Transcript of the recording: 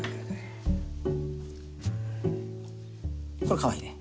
これかわいいね。